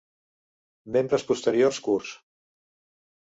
Membres posteriors curts.